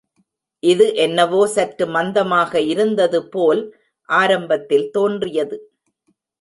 இது என்னவோ சற்று மந்தமாக இருந்ததுபோல் ஆரம்பத்தில் தோன்றியது.